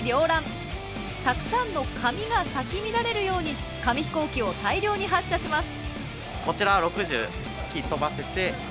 たくさんの紙が咲き乱れるように紙ヒコーキを大量に発射します。